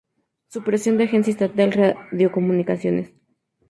Supresión de la Agencia Estatal de Radiocomunicaciones.